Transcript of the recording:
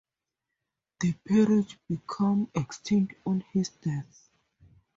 The peerage became extinct on his death.